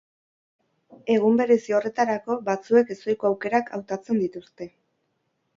Egun berezi horretarako batzuek ezohiko aukerak hautatzen dituzte.